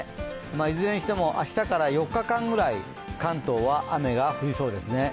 いずれにしても明日から４日間くらい関東は雨が降りそうですね。